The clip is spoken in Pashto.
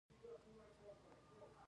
د هلمند په مارجه کې د څه شي نښې دي؟